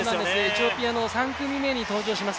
エチオピアの３組目に登場します